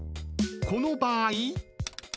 ［この場合］